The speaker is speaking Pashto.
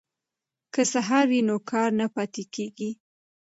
که سهار وي نو کار نه پاتې کیږي.